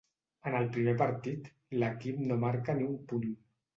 En el primer partit, l'equip no marca ni un punt.